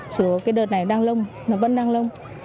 số cái đợt này đang lông nó vẫn đang lông